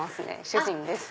主人です。